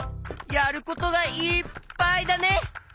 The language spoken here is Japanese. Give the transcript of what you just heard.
やることがいっぱいだね！